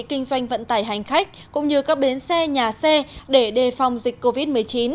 kinh doanh vận tải hành khách cũng như các bến xe nhà xe để đề phòng dịch covid một mươi chín